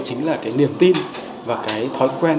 chính là cái niềm tin và cái thói quen